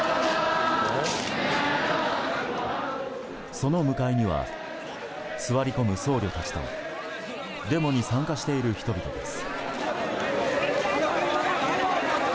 その向かいには座り込む僧侶たちとデモに参加している人々です。